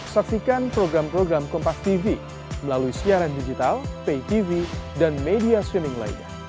saksikan program program kompastv melalui siaran digital paytv dan media streaming lainnya